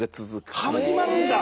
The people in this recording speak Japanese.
山崎：始まるんだ。